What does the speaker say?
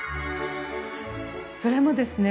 それもですね